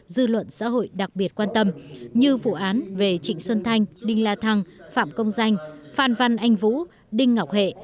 dư luận xã hội đặc biệt quan tâm như vụ án về trịnh xuân thanh đinh la thăng phạm công danh phan văn anh vũ đinh ngọc hệ